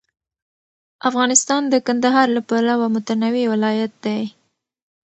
افغانستان د کندهار له پلوه متنوع ولایت دی.